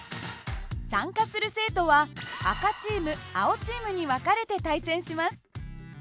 参加する生徒は赤チーム青チームに分かれて対戦します。